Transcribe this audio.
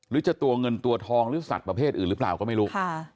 หรือจะตัวเงินตัวทองหรือสัตว์ประเภทอื่นหรือเปล่าก็ไม่รู้